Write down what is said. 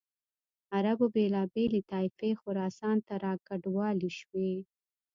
عربو بېلابېلې طایفې خراسان ته را کډوالې شوې.